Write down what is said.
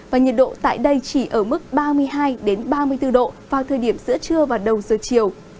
và nhiệt độ tại đây chỉ ở mức ba mươi hai ba mươi bốn độ vào thời điểm giữa trưa và đầu giờ chiều